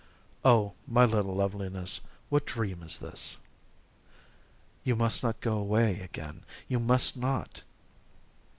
"Oh, my little Loveliness, what dream is this?" "You must not go away again, you must not."